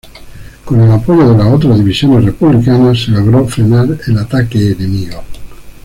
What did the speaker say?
Con el apoyo de las otras divisiones republicanas, se logró frenar el ataque enemigo.